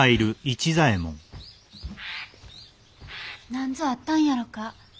何ぞあったんやろか。